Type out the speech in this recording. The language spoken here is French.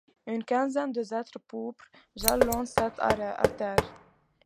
Une quinzaine de hêtres pourpres jalonnent cette artère.